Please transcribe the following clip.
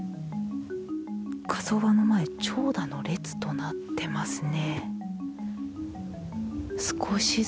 火葬場の前長蛇の列となっていますね。